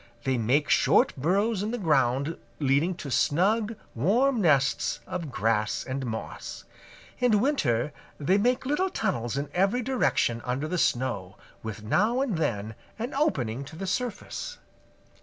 They make short burrows in the ground leading to snug, warm nests of grass and moss. In winter they make little tunnels in every direction under the snow, with now and then an opening to the surface.